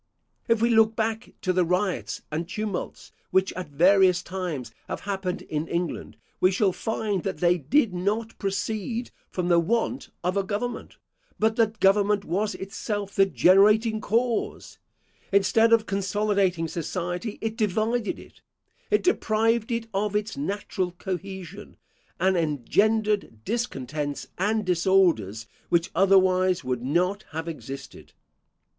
If we look back to the riots and tumults which at various times have happened in England, we shall find that they did not proceed from the want of a government, but that government was itself the generating cause; instead of consolidating society it divided it; it deprived it of its natural cohesion, and engendered discontents and disorders which otherwise would not have existed.